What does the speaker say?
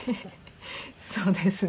そうですね。